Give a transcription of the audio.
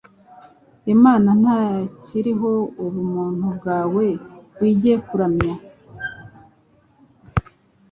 Imana ntakiriho: Ubumuntu bwawe wige kuramya,